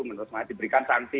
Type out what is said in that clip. menurut saya diberikan sanksi